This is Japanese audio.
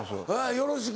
よろしく。